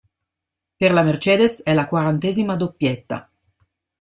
Per la Mercedes è la quarantesima doppietta.